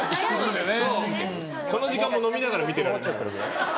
この時間も飲みながら見てられるぐらい。